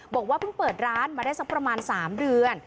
บอกว่าเพิ่งเปิดร้านมาได้สักประมาณ๓เดือน